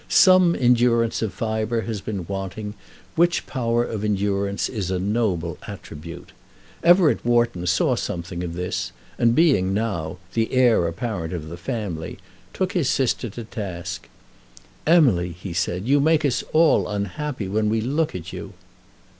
Some endurance of fibre has been wanting, which power of endurance is a noble attribute. Everett Wharton saw something of this, and being, now, the heir apparent of the family, took his sister to task. "Emily," he said, "you make us all unhappy when we look at you."